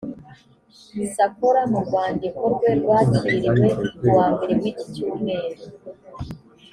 sacola mu rwandiko rwe rwakiriwe kuwa mbere w’iki cyumweru